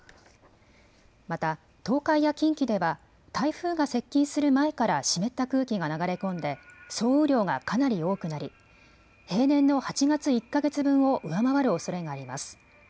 また東海や近畿では台風が接近する前から湿った空気が流れ込んで総雨量がかなり多くなり平年の８月１か月分を上回るおそれがあります。